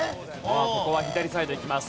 ここは左サイドいきます。